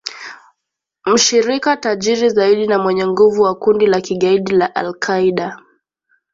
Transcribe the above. mshirika tajiri zaidi na mwenye nguvu wa kundi la kigaidi la al-Qaeda